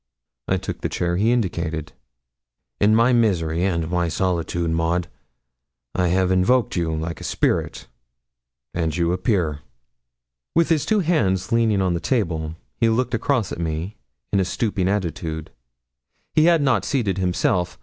I took the chair he indicated. 'In my misery and my solitude, Maud, I have invoked you like a spirit, and you appear.' With his two hands leaning on the table, he looked across at me, in a stooping attitude; he had not seated himself.